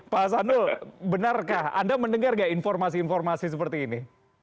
pak hasanul benarkah anda mendengar nggak informasi informasi seperti ini